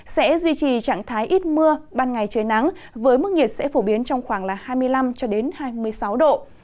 sẽ duy trì trạng thái ít mưa ban ngày trời nắng với mức nhiệt sẽ phổ biến trong khoảng hai mươi năm hai mươi sáu độ